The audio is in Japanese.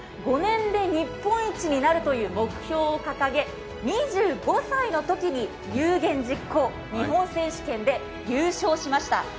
５年で日本一になるという目標を掲げ、２５歳のときに有言実行日本選手権で優勝しました。